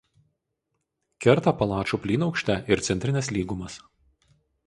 Kerta Apalačų plynaukštę ir Centrines lygumas.